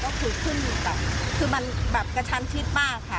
ติดการก็คือขึ้นแบบกระชั่นชิดปากค่ะ